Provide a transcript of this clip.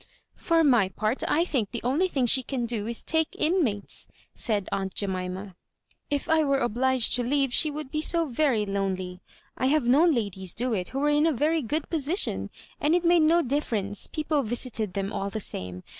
" For my part, I think the only thing she can do is to take Inmates," said aunt Jemima. " If I were obliged to leave she would be so very lone ly. I have known ladies do it who were in a very good position, and it made no difference ; people visited them all the same.